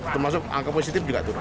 termasuk angka positif juga turun